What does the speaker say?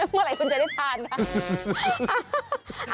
เมื่อไหร่คุณจะได้ทานค่ะ